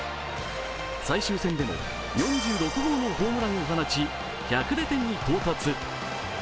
最終戦でも４６号のホームランを放ち、１００打点に到達。